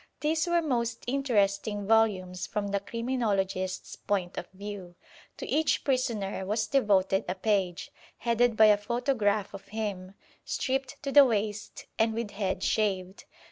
These were most interesting volumes from the criminologist's point of view. To each prisoner was devoted a page, headed by a photograph of him, stripped to the waist and with head shaved.